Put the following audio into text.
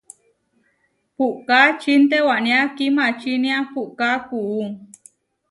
Puʼka čintewania kimačinia, puʼká kuú.